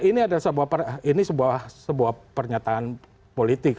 ini adalah sebuah pernyataan politik